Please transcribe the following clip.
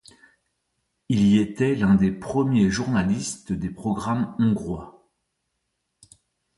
Il y était l'un des premiers journalistes des programmes hongrois.